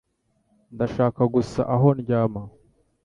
Ndashaka gusa aho ndyama.